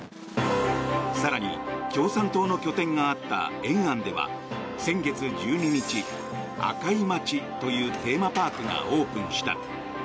更に、共産党の拠点があった延安では先月１２日紅い街というテーマパークがオープンした。